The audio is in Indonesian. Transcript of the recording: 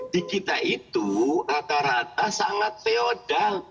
di kita itu rata rata sangat feodal